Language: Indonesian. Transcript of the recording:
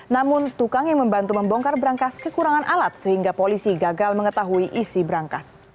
namun tukang yang membantu membongkar berangkas kekurangan alat sehingga polisi gagal mengetahui isi berangkas